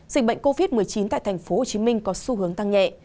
dịch bệnh covid một mươi chín tại tp hcm có xu hướng tăng nhẹ